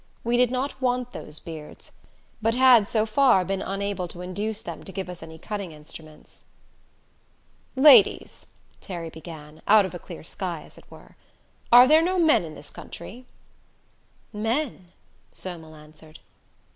We did not want those beards, but had so far been unable to induce them to give us any cutting instruments. "Ladies," Terry began, out of a clear sky, as it were, "are there no men in this country?" "Men?" Somel answered.